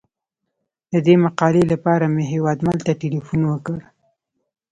د دې مقالې لپاره مې هیوادمل ته تیلفون وکړ.